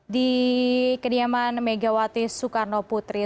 di kediaman megawati soekarno putri